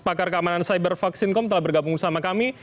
pakar keamanan cybervaksin com telah bergabung sama kami